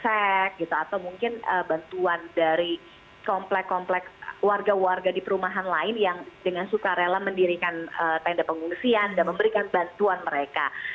sek gitu atau mungkin bantuan dari komplek komplek warga warga di perumahan lain yang dengan suka rela mendirikan tenda pengungsian dan memberikan bantuan mereka